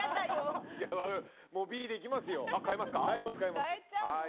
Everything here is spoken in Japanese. もう、Ｂでいきますよ。